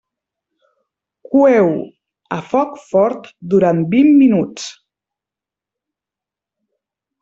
Coeu-ho a foc fort durant vint minuts.